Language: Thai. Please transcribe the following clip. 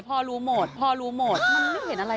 พ่อรู้หมดมันไม่เห็นอะไร